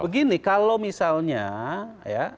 begini kalau misalnya ya